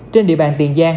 trên địa bàn tiền giang